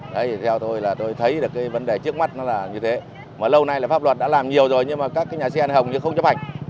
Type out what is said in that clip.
thế thì theo tôi là tôi thấy là cái vấn đề trước mắt nó là như thế mà lâu nay là pháp luật đã làm nhiều rồi nhưng mà các nhà xe hồng không chấp hành